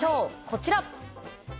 こちら。